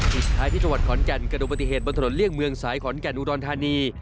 พิสไฟที่ชวัดขอญแก่นกระดูกปฏิเวตบนถนนเลียงเมืองสายขอญแก่นอุดอลทานี